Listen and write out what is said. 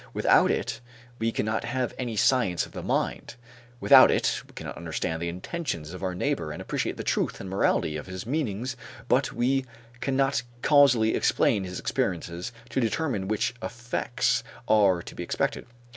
Without it we cannot have any science of the mind, without it we can understand the intentions of our neighbor and appreciate the truth and morality of his meanings but we cannot causally explain his experiences or determine which effects are to be expected.